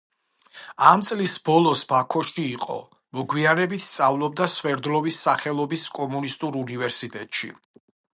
ამ წლის ბოლოს ბაქოში იყო, მოგვიანებით სწავლობდა სვერდლოვის სახელობის კომუნისტურ უნივერსიტეტში.